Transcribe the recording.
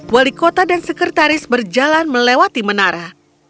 wali kota dan sekretaris berjalan melewati menara